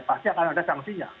pasti akan ada sanksinya